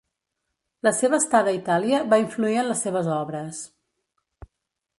La seva estada a Itàlia va influir en les seves obres.